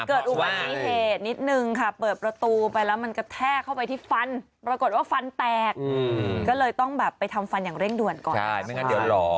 ก็เลยต้องแบบไปทำฟันอย่างเร่งด่วนก่อนทีนะครับใช่เต้นเดือดหรอใช่